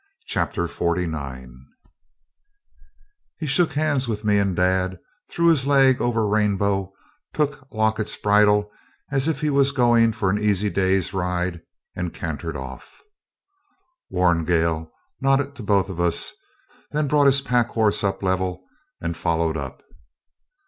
Chapter 49 He shook hands with me and dad, threw his leg over Rainbow, took Locket's bridle as if he was going for an easy day's ride, and cantered off. Warrigal nodded to both of us, then brought his pack horse up level, and followed up.